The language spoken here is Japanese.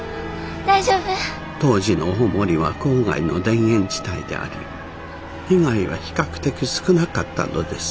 大丈夫？当時の大森は郊外の田園地帯であり被害は比較的少なかったのです。